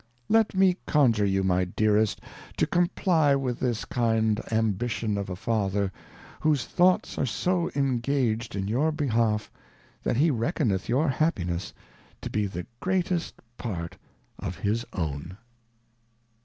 Let me conjure you, My Dearest, to comply with this kind Ambition of a Father, whose Thoughts are so ingaged in your behalf, that he reckoneth your Happiness to be the greatest part of his own.